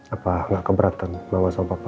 apa gak keberatan mama sama papa